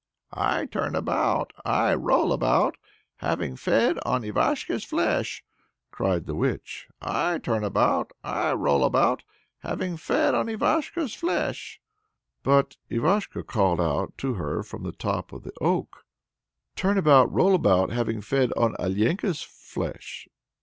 "I turn about, I roll about, having fed on Ivashko's flesh," cried the witch. "I turn about, I roll about, having fed on Ivashko's flesh." But Ivashko called out to her from the top of the oak: "Turn about, roll about, having fed on Alenka's flesh!"